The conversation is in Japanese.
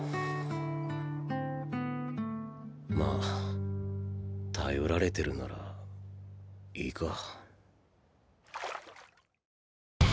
まあ頼られてるならいいか。